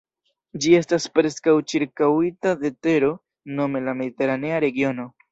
Ĝi estas preskaŭ ĉirkaŭita de tero, nome la Mediteranea regiono.